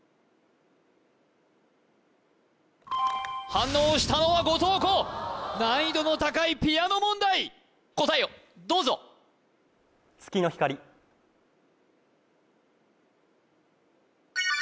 反応をしたのは後藤弘難易度の高いピアノ問題答えをどうぞよっしゃ！